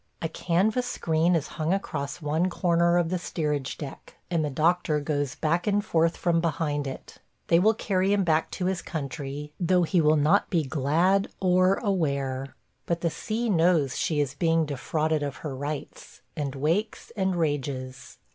A canvas screen is hung across one corner of the steerage deck, and the doctor goes back and forth from behind it. ... They will carry him back to his country, though he will not be glad or aware. But the sea knows she is being defrauded of her rights, and wakes and rages.